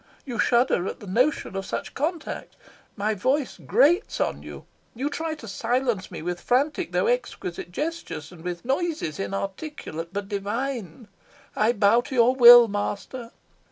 You shudder at the notion of such contact. My voice grates on you. You try to silence me with frantic though exquisite gestures, and with noises inarticulate but divine. I bow to your will, master.